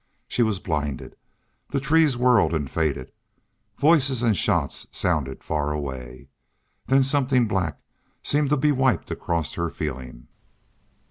She was blinded. The trees whirled and faded. Voices and shots sounded far away. Then something black seemed to be wiped across her feeling.